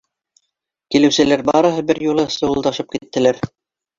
Килеүселәр барыһы бер юлы сыуылдашып киттеләр.